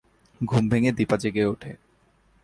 ঘুম ভেঙে দিপা জেগে ওঠে।